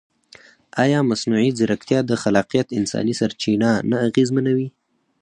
ایا مصنوعي ځیرکتیا د خلاقیت انساني سرچینه نه اغېزمنوي؟